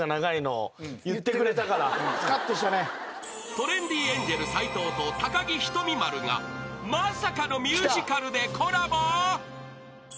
［トレンディエンジェル斎藤と高木ひとみ○がまさかのミュージカルでコラボ］